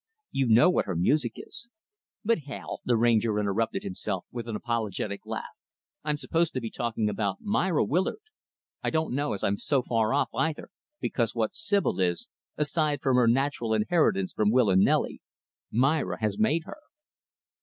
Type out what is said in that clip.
You know what her music is. But, hell!" the Ranger interrupted himself with an apologetic laugh "I'm supposed to be talking about Myra Willard. I don't know as I'm so far off, either, because what Sibyl is aside from her natural inheritance from Will and Nelly Myra has made her.